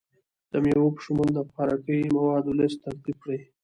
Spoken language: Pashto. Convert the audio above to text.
د میوو په شمول د خوراکي موادو لست ترتیب کړئ.